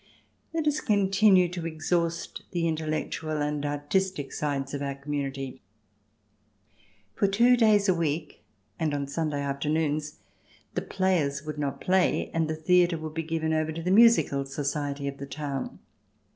Let us continue to exhaust the intellectual and artistic sides of our community. For two days a week and on Sunday afternoons the players would not play, and the theatre would be given over to the Musical Society of the town.